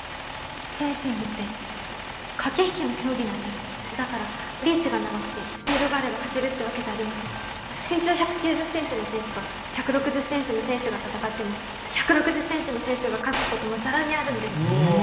フェンシングって駆け引きの競技なんですだからリーチが長くてスピードがあれば勝てるってわけじゃありません身長１９０ｃｍの選手と１６０ｃｍの選手が戦っても１６０ｃｍの選手が勝つこともザラにあるんですうわっ！